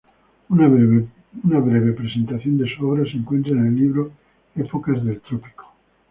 Una breve presentación de su obra se encuentra en el libro "Épocas del Trópico.